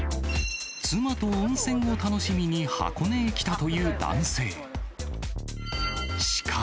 妻と温泉を楽しみに箱根へ来たという男性。